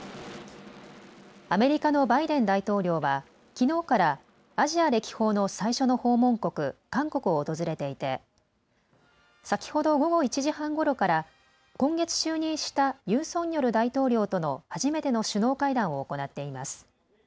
アメリカのバイデン大統領はきのうからアジア歴訪の最初の訪問国、韓国を訪れていて先ほど午後１時半ごろから今月就任したユン・ソンニョル大統領との初めての首脳会談を行っています。